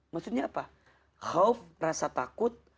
maksudnya apa hope rasa takut